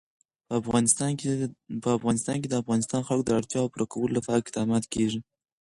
په افغانستان کې د د افغانستان جلکو د اړتیاوو پوره کولو لپاره اقدامات کېږي.